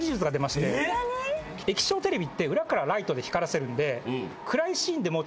液晶テレビって裏からライトで光らせるんで。